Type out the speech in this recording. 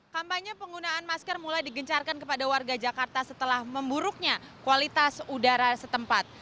kampanye penggunaan masker mulai digencarkan kepada warga jakarta setelah memburuknya kualitas udara setempat